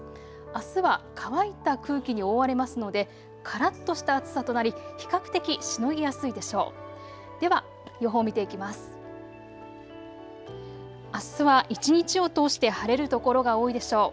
あすは乾いた空気に覆われますので、からっとした暑さとなり比較的しのぎやすいでしょう。